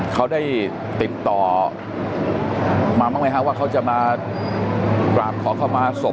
เขาได้ติดต่อมาบ้างไหมคะว่าเขาจะมากราบขอเข้ามาศพ